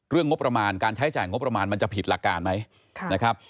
งบประมาณการใช้จ่ายงบประมาณมันจะผิดหลักการไหมนะครับ